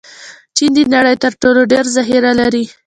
چین د نړۍ تر ټولو ډېر ذخیره لري.